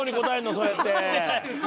そうやって！